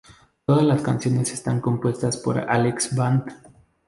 Todas las canciones están compuestas por Alex Band.